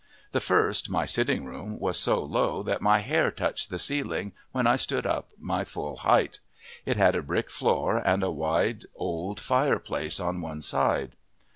The first, my sitting room, was so low that my hair touched the ceiling when I stood up my full height; it had a brick floor and a wide old fireplace on one side.